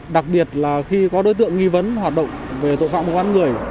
đặc biệt là khi có đối tượng nghi vấn hoạt động về tội phạm mua bán người